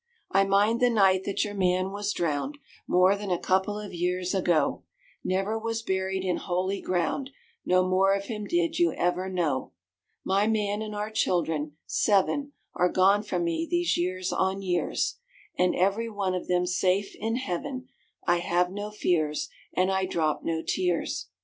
I mind the night that your man was drowned More than a couple of years ago, Never was buried in holy ground ; No more of him did you ever know. My man and our childher seven Are gone from me these years on years, And every one of them safe in Heaven. I have no fears, and I drop no tears.